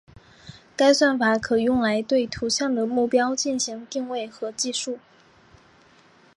该算法可用来对图像的目标进行定位和计数。